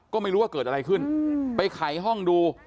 ก็ไม่รู้ว่าเกิดอะไรขึ้นไปไขห้องดู